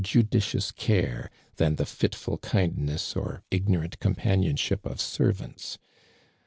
judicious care than the fitful kindness or ignorant com panionship of servants.